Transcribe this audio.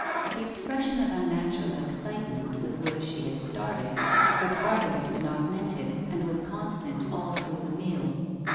The expression of unnatural excitement with which she had started could hardly have been augmented and was constant all through the meal.